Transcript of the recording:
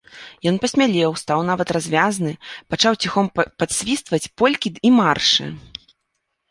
Ён пасмялеў, стаў нават развязны, пачаў ціхом падсвістваць полькі і маршы.